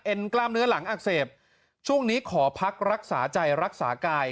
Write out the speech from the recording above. กล้ามเนื้อหลังอักเสบช่วงนี้ขอพักรักษาใจรักษากาย